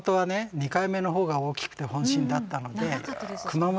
２回目の方が大きくて本震だったので熊本